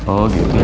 oh gitu ya